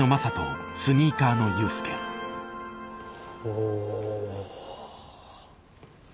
お。